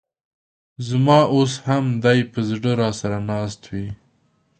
ز ما اوس هم دي په زړه راسره ناست وې